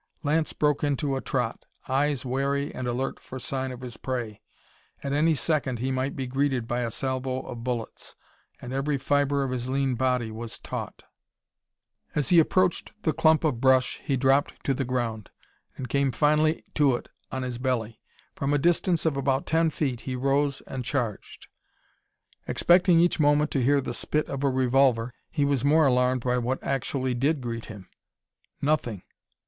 Lance broke into a trot, eyes wary and alert for sign of his prey. At any second he might be greeted by a salvo of bullets, and every fiber of his lean body was taut. As he approached the clump of brush he dropped to the ground, and came finally to it on his belly. From a distance of about ten feet, he rose and charged. Expecting each moment to hear the spit of a revolver, he was more alarmed by what actually did greet him. Nothing.